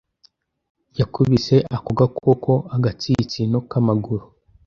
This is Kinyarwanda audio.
yakubise ako gakoko agatsinsino kamaguru.